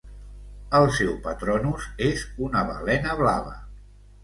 El seu patronus és una balena blava.